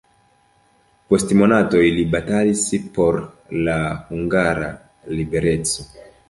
Post monatoj li batalis por la hungara libereco.